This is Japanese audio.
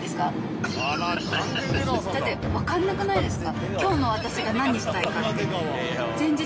だって分かんなくないですか？